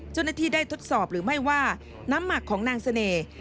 เจ้าหน้าที่ได้ทดสอบหรือไม่ว่าน้ำหมักของนางเสน่ห์